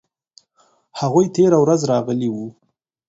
هغوی تیره ورځ راغلي وو